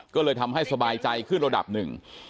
ก็เลยทำให้สบายใจขึ้นระดับหนึ่ง